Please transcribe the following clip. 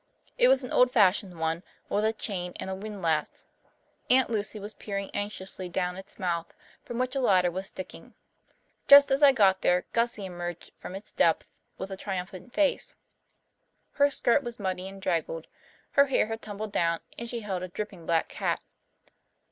It was an old fashioned open one, with a chain and windlass. Aunt Lucy was peering anxiously down its mouth, from which a ladder was sticking. Just as I got there Gussie emerged from its depths with a triumphant face. Her skirt was muddy and draggled, her hair had tumbled down, and she held a dripping black cat.